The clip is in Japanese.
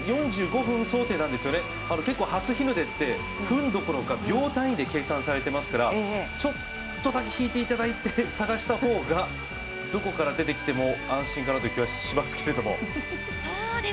４５分想定なんですよね、結構初日の出って分どころか秒単位で計算されていますからちょっとだけ引いていただいて探した方が、どこから出てきても安心かなという気はしますけれども。